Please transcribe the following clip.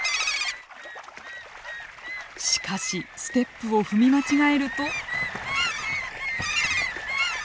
しかしステップを踏み間違えると。